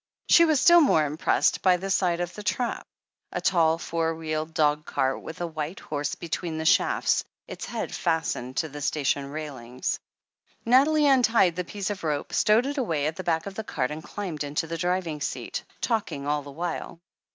She was still more impressed by the sight of the "trap," a tall four wheeled dog cart with a white horse between the shafts, its head fastened to the station railings. THE HEEL OF ACHILLES 269 Nathalie untied the piece of rope, stowed it away at the back of the cart and climbed into the driving seat, talking all the while.